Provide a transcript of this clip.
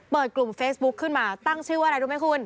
กลุ่มเฟซบุ๊คขึ้นมาตั้งชื่อว่าอะไรรู้ไหมคุณ